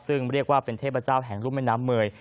ซึ่งเรียกว่าเป็นเทพเจ้าแห่งรุ่มแม่น้ำเมย